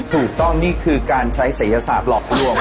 ถูกต้องนี่คือการใช้ศัยศาสตร์หลอกลวง